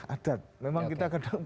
adat memang kita kadang